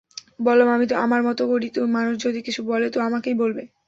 বললাম, আমি আমার মতো করি, মানুষ যদি কিছু বলে তো আমাকেই বলবে।